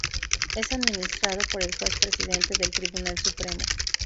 Es administrado por el Juez Presidente del Tribunal Supremo.